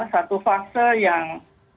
satu fase yang